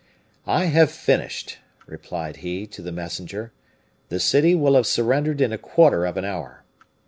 "I have finished," replied he to the messenger; "the city will have surrendered in a quarter of an hour."